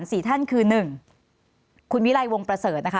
รายการ๔ท่านคือ๑คุณวิไรวงประเสริฐนะคะ